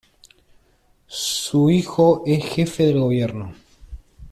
Su hijo es el Jefe del Gobierno.